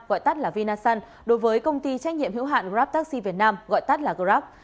gọi tắt là vinasun đối với công ty trách nhiệm hữu hạn grabtaxi việt nam gọi tắt là grab